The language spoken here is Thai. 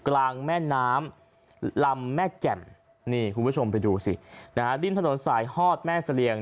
ลำแม่แจ่มคุณผู้ชมไปดูสิดิ้นถนนสายฮอดแม่เศรียง